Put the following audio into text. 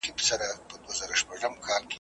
ما به وینې ما به اورې زه به ستا مینه تنها یم `